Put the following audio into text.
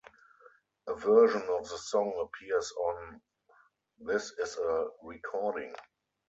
A version of the song appears on "This Is a Recording".